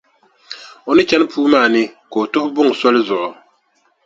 O ni chani puu maa ni, ka o tuhi buŋa soli zuɣu.